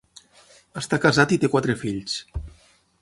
Està casat i té quatre fills.